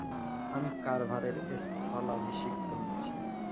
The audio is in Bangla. আমি কার্ভারের স্থলাভিষিক্ত হচ্ছি?